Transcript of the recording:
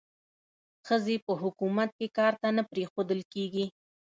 ښځې په حکومت کې کار ته نه پریښودل کېږي.